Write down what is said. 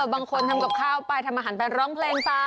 บางคนทำกับข้าวไปทำอาหารไปร้องเพลงไป